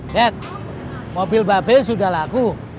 dek mobil bapes udah laku